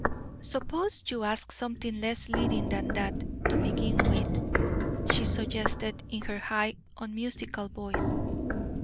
"Suppose you ask something less leading than that, to begin with," she suggested, in her high, unmusical voice.